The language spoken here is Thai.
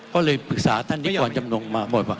ก็เลยปรึกษาท่านครับกับนิจกรณ์จำนงมาบ่อยบอก